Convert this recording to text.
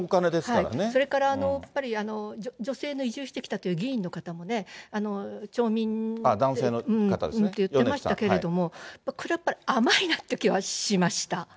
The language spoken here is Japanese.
それから、やっぱり女性の移住してきたという議員の方もね。言ってましたけれども、やっぱり甘いなっていう気はしました。